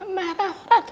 dan membuat program